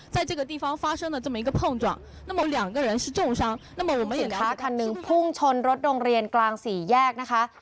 สินค้าคันหนึ่งพุ่งชนรถโรงเรียนกลางสี่แยกนะคะ